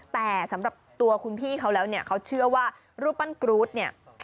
แต่สำหรับตัวคุณพี่เขาแล้วเนี่ยเขาเชื่อว่ารูปปั้นกรู๊ดเนี่ย